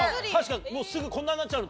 もうすぐこんなんなっちゃうの？